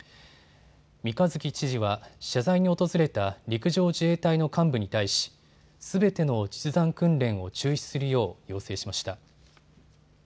三日月知事は謝罪に訪れた陸上自衛隊の幹部に対しすべての実弾訓練を中止するよう要請しました。